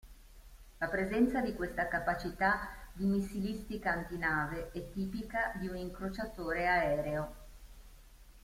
La presenza di questa capacità di missilistica antinave è tipica di un "incrociatore aereo".